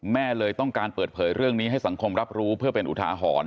แม่เลยต้องการเปิดเผยเรื่องนี้ให้สังคมรับรู้เพื่อเป็นอุทาหรณ์